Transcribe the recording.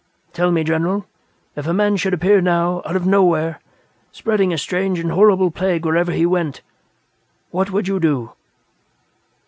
Tell me, General; if a man should appear now, out of nowhere, spreading a strange and horrible plague wherever he went, what would you do?"